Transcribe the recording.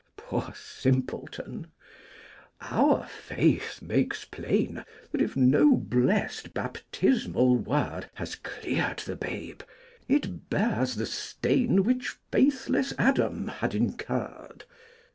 Poor simpleton! Our faith makes plain That, if no blest baptismal word Has cleared the babe, it bears the stain Which faithless Adam had incurred.